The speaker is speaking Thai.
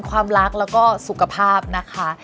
ความรักแล้วก็สุขภาพนะคะ